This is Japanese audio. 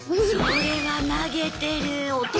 それは投げてるよ